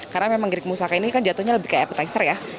karena memang gerik mausaka ini kan jatuhnya lebih kayak appetizer ya